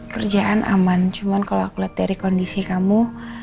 kerjaan aman cuman kalau aku lihat dari kondisi kamu